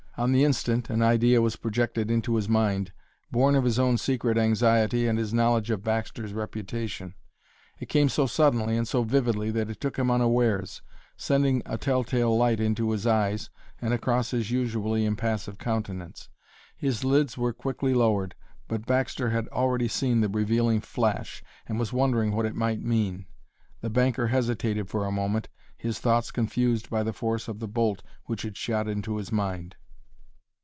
On the instant an idea was projected into his mind, born of his own secret anxiety and his knowledge of Baxter's reputation. It came so suddenly and so vividly that it took him unawares, sending a telltale light into his eyes and across his usually impassive countenance. His lids were quickly lowered, but Baxter had already seen the revealing flash and was wondering what it might mean. The banker hesitated for a moment, his thoughts confused by the force of the bolt which had shot into his mind.